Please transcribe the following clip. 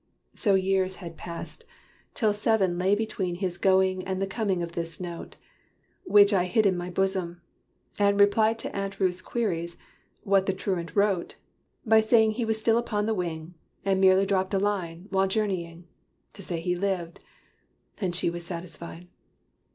So years had passed, till seven lay between His going and the coming of this note, Which I hid in my bosom, and replied To Aunt Ruth's queries, "What the truant wrote?" By saying he was still upon the wing, And merely dropped a line, while journeying, To say he lived: and she was satisfied.